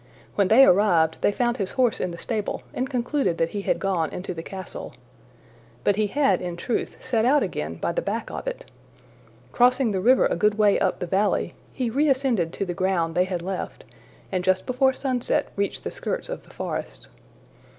When they arrived, they found his horse in the stable and concluded that he had gone into the castle. But he had in truth set out again by the back of it. Crossing the river a good way up the valley, he reascended to the ground they had left, and just before sunset reached the skirts of the forest.